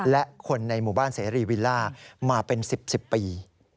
และคนในหมู่บ้านเสรีวิลล่ามาเป็น๑๐๑๐ปี